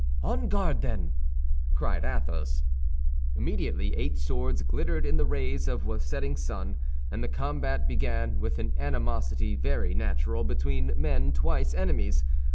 "On guard, then!" cried Athos. Immediately eight swords glittered in the rays of the setting sun, and the combat began with an animosity very natural between men twice enemies.